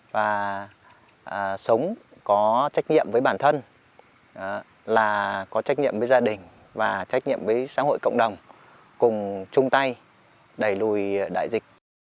và sống có trách nhiệm với bản thân là có trách nhiệm với gia đình và trách nhiệm với xã hội cộng đồng cùng chung tay đẩy lùi đại dịch